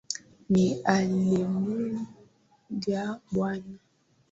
Ni hallelujah, Bwana